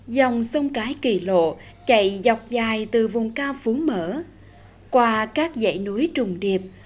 dòng sông cái kỳ lộ chạy dọc dài từ vùng cao phú mở qua các dãy núi trùng điệp